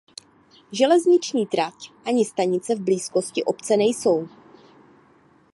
Železniční trať ani stanice v blízkosti obce nejsou.